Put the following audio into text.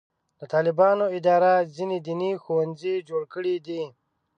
د طالبانو اداره ځینې دیني ښوونځي جوړ کړي دي.